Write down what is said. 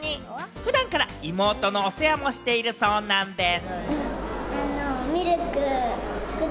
普段から妹のお世話もしているそうなんです。